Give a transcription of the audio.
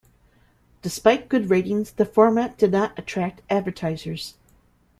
Despite good ratings, the format did not attract advertisers.